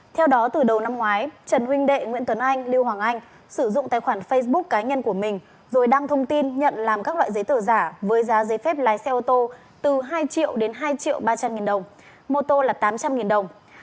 theo đó từ đầu năm ngoái trần huỳnh đệ nguyễn tuấn anh lưu hoàng anh sử dụng tài khoản facebook cá nhân của mình rồi đăng thông tin nhận làm các loại giấy tờ giả với giá giấy phép lái xe ô tô từ hai triệu đến hai triệu ba trăm linh nghìn đồng mô tô là tám trăm linh đồng